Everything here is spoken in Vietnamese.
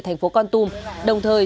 thành phố con tôm đồng thời